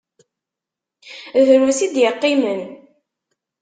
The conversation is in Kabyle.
Drus i d-iqqimen.